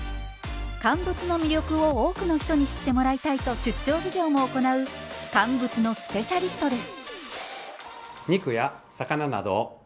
乾物の魅力を多くの人に知ってもらいたいと出張授業も行う乾物のスペシャリストです。